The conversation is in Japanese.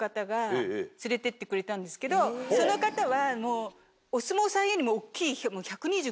その方は。